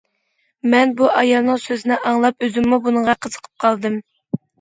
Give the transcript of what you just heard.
مەن بۇ ئايالنىڭ سۆزىنى ئاڭلاپ، ئۆزۈممۇ بۇنىڭغا قىزىقىپ قالدىم.